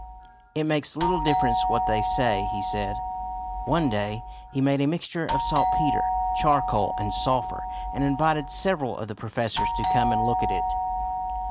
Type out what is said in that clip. " It makes little difference what they say," he said. One day he made a mixture of saltpeter, char coal, and sulphur, and invited several of the pro fessors to come and look at it.